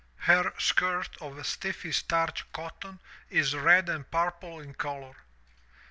Her skirt of stiffly starched cotton is red and purple in color.